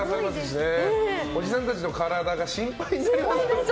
おじさんたちの体が心配になります。